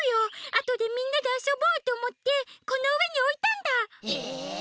あとでみんなであそぼうとおもってこのうえにおいたんだ！え！？